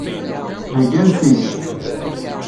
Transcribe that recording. Heyyan-t-id.